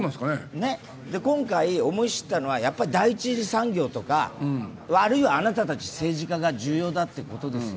今回思い知ったのは、第１次産業とか、あるいはあなたたち政治家が重要だってことですよ。